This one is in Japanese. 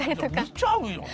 見ちゃうよね。